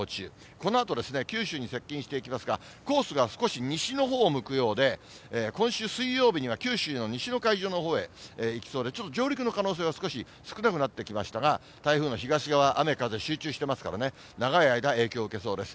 このあと九州に接近してますが、コースが少し西のほうを向くようで、今週水曜日には、九州の西の海上のほうへ行きそうで、ちょっと上陸の可能性は少し少なくなってきましたが、台風の東側、雨風集中していますからね、長い間、影響受けそうです。